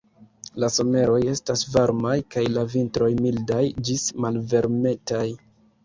La someroj estas varmaj kaj la vintroj mildaj ĝis malvarmetaj.